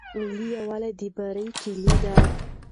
ملي یووالی د بریا کیلي ده.